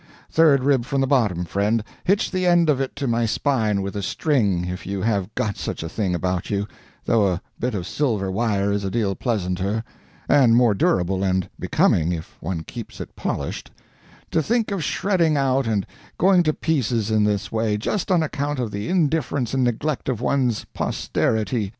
third rib from the bottom, friend, hitch the end of it to my spine with a string, if you have got such a thing about you, though a bit of silver wire is a deal pleasanter, and more durable and becoming, if one keeps it polished to think of shredding out and going to pieces in this way, just on account of the indifference and neglect of one's posterity!"